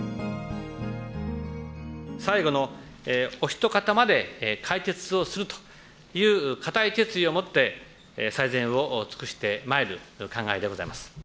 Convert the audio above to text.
最後のお一方まで解決をするという固い決意をもって最善を尽くしてまいる考えでございます。